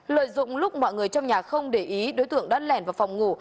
lợi dụng lúc mọi người trong nhà không để ý đối tượng đã lèn vào phòng ngủ